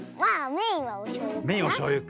メインはおしょうゆか。